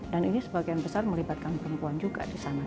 dan ini sebagian besar melibatkan perempuan juga di sana